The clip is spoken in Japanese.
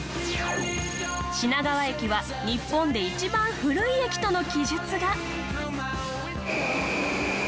「品川駅は日本で一番古い駅」との記述が！